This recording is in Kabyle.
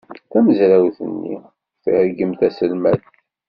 Tamezrawt-nni tergem taselmadt.